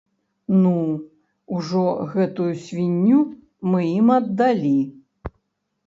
Ну, ўжо гэтую свінню мы ім аддалі.